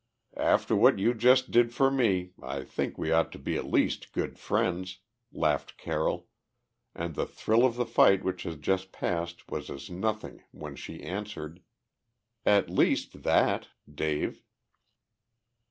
"After what you just did for me, I think we ought to be at least good friends," laughed Carroll, and the thrill of the fight which has just passed was as nothing when she answered: "At least that ... Dave!"